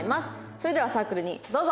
それではサークルにどうぞ！